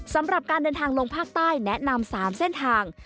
สำหรับการเดินทางลงภาคใต้แนะนำ๓เส้นทาง